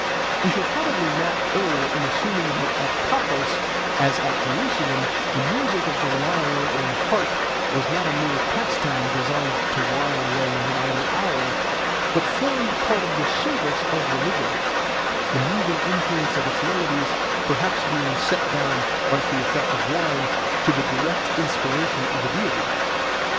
We shall probably not err in assuming that at Paphos as at Jerusalem the music of the lyre or harp was not a mere pastime designed to while away an idle hour, but formed part of the service of religion, the moving influence of its melodies being perhaps set down, like the effect of wine, to the direct inspiration of a deity.